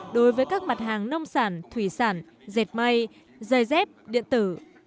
đối với các mặt hàng nông sản thủy sản dẹt máy dây dép điện tử